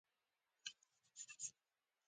کمونېستي نظام په لومړیو کې چټکه اقتصادي وده لرله.